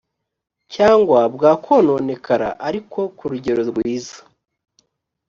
cyangwa bwakononekara ariko ku rugero rwiza